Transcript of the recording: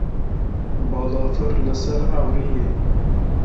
Balafir li ser ewrî ye.